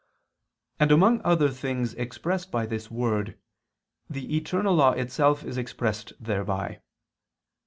And among other things expressed by this Word, the eternal law itself is expressed thereby.